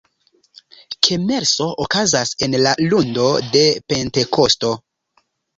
Kermeso okazas en la lundo de Pentekosto.